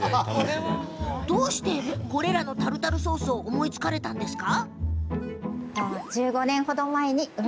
どうして、このタルタルソースを思いついたんですか？